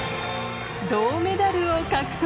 銅メダルを獲得